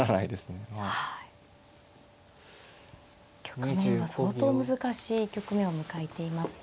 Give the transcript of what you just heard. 局面は相当難しい局面を迎えています。